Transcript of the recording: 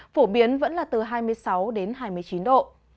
phổ biến vẫn là từ hai mươi sáu đến hai mươi chín độ